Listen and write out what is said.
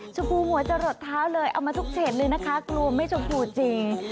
ชมพูหัวจะหลดเท้าเลยเอามาทุกเศษเลยนะคะกลัวไม่ชมพูจริง